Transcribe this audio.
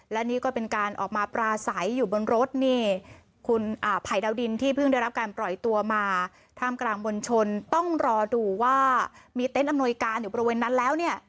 และนี่ก็เป็นการออกมาปราศัยอยู่บนรถนี่คุณภัยดาวดินที่เพิ่งได้รับการปล่อยตัวมาท่ามกลางมวลชนต้องรอดูว่ามีเต็นต์อำนวยการอยู่บริเวณนั้นแล้วเนี่ย